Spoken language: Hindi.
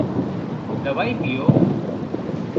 दवाई पियो।